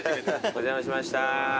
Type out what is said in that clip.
お邪魔しました。